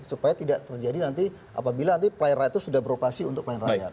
supaya tidak terjadi nanti apabila nanti pelayan rakyat itu sudah beroperasi untuk pelayan rakyat